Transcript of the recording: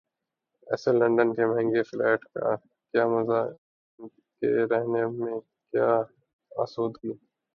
ایسے لندن کے مہنگے فلیٹ کا کیا مزہ، ان کے رہنے میں کیا آسودگی؟